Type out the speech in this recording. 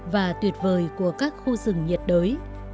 và tuyệt vời của các khu rừng nhiệt đới